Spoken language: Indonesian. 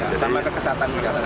sama kekesatan juga